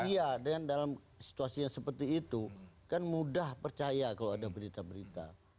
iya dengan dalam situasi yang seperti itu kan mudah percaya kalau ada berita berita